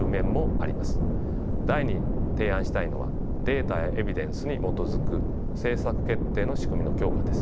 第２に提案したいのは「データやエビデンスに基づく政策決定の仕組みの強化」です。